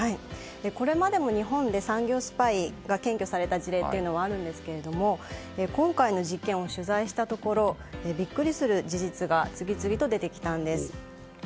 これまでも日本で産業スパイが検挙された事例はありますが今回の事件を取材したところビックリする事実が次々と出てきたんです。